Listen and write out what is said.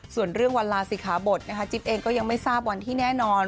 ส่วนเรื่องวันลาศิขาบทนะคะจิ๊บเองก็ยังไม่ทราบวันที่แน่นอน